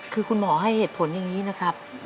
คือคุณหมอให้เหตุผลอย่างนี้นะครับ